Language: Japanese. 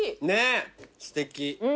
ねっすてき。